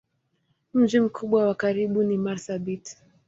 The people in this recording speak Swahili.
Mji mkubwa wa karibu ni Marsabit.